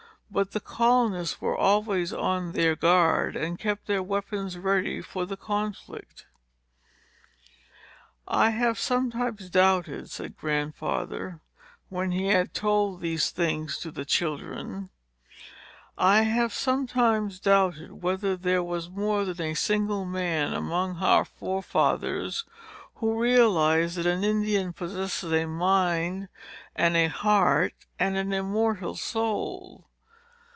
But the colonists were always on their guard, and kept their weapons ready for the conflict. "I have sometimes doubted," said Grandfather, when he had told these things to the children, "I have sometimes doubted whether there was more than a single man, among our forefathers, who realized that an Indian possesses a mind and a heart, and an immortal soul.